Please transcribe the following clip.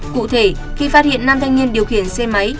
cụ thể khi phát hiện nam thanh niên điều khiển xe máy